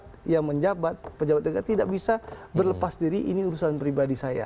karena yang menjabat pejabat negara tidak bisa berlepas diri ini urusan pribadi saya